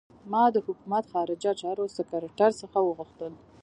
ما د حکومت خارجه چارو سکرټر څخه وغوښتل.